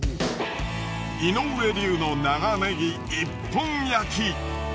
井上流の長ネギ一本焼き。